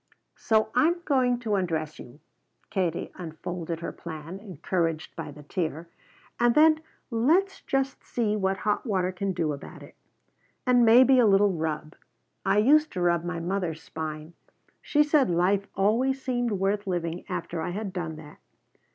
"So I'm going to undress you," Katie unfolded her plan, encouraged by the tear, "and then let's just see what hot water can do about it. And maybe a little rub. I used to rub my mother's spine. She said life always seemed worth living after I had done that."